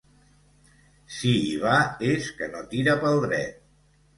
Si hi va és que no tira pel dret.